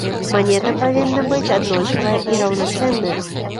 Манета павінна быць аднолькавая і раўнацэнная.